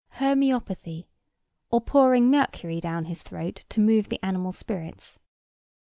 Hermopathy, or pouring mercury down his throat to move the animal spirits.